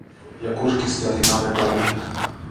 Ja kurkisteli navetalle.